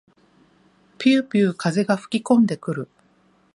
ぴゅうぴゅう風が吹きこんでくる。